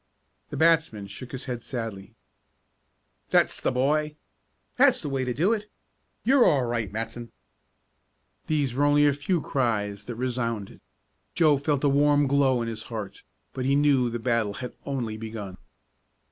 The batsman shook his head sadly. "That's the boy!" "That's the way to do it!" "You're all right, Matson!" These were only a few cries that resounded. Joe felt a warm glow in his heart, but he knew the battle had only begun.